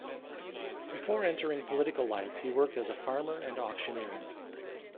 Before entering political life, he worked as a farmer and auctioneer.